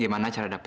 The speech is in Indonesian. gak ada apa apa